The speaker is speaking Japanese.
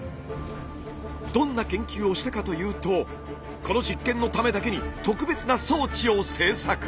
どんな研究をしたかというとこの実験のためだけに特別な装置を製作。